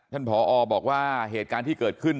ผอบอกว่าเหตุการณ์ที่เกิดขึ้น